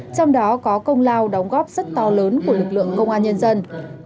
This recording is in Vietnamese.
trong đó có công lao đóng góp rất to lớn của lực lượng công an nhân dân